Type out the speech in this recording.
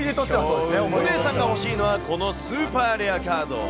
お姉さんが欲しいのは、このスーパーレアカード。